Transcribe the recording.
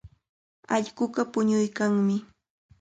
Allquqa puñuykanmi.